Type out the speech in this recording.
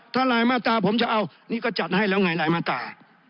ถ้ารายมาตราผมจะเอานี่ก็จัดให้แล้วไงหลายมาตรา